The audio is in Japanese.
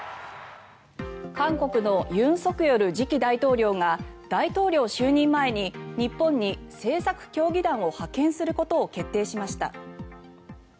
韓国の尹錫悦次期大統領が大統領就任前に日本に政策協議団を派遣することを決定しました。